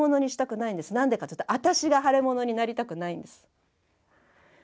なんでかっていうとあたしが腫れ物になりたくないんです。